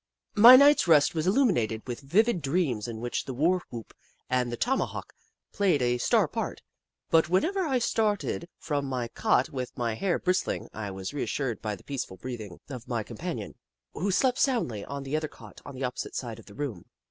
My night's rest was illuminated with vivid dreams in which the war whoop and the toma hawk played a star part, but whenever I started from my cot with my hair bristling, I was reassured by the peaceful breathing 88 The Book of Clever Beasts of iny companion, who slept soundly on the other cot on the opposite side of the room.